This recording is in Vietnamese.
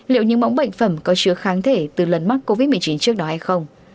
liệu những mẫu bệnh phẩm có chứa kháng thể từ lần mắc covid một mươi chín trước đó hay không